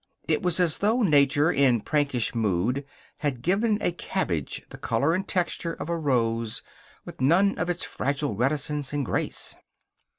It was as though nature, in prankish mood, had given a cabbage the color and texture of a rose, with none of its fragile reticence and grace.